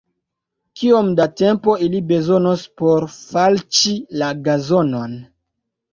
Kiom da tempo ili bezonos por falĉi la gazonon?